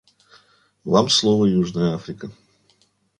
Вам слово, Южная Африка.